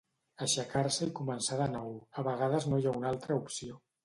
Aixecar-se i començar de nou, a vegades no hi ha una altra opció